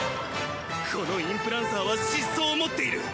このインプランサーは疾走を持っている！